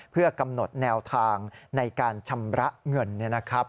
เพื่อกำหนดแนวทางในการชำระเงิน